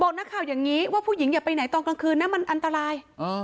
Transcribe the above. นักข่าวอย่างนี้ว่าผู้หญิงอย่าไปไหนตอนกลางคืนนะมันอันตราย